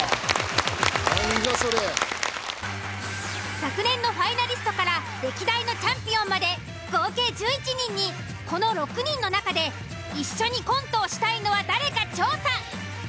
昨年のファイナリストから歴代のチャンピオンまで合計１１人にこの６人の中で一緒にコントをしたいのは誰か調査。